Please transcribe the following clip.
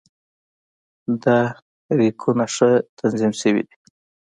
دا ریکونه ښه تنظیم شوي دي.